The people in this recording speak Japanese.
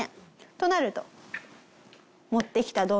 となると。